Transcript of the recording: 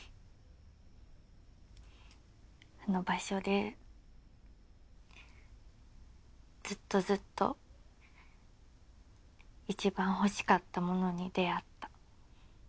あの場所でずっとずっといちばん欲しかったものに出会った。